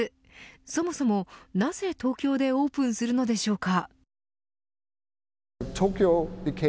そもそも、なぜ東京でオープンするのでしょうか。